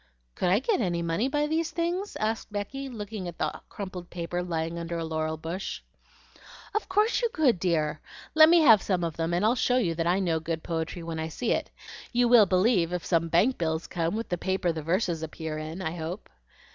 "Could I get any money by these things?" asked Becky, looking at the crumpled paper lying under a laurel bush. "Of course you could, dear! Let me have some of them, and I'll show you that I know good poetry when I see it. You will believe if some bank bills come with the paper the verses appear in, I hope?"